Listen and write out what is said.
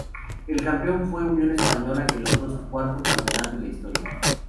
El campeón fue Unión Española que logró su cuarto campeonato en la historia.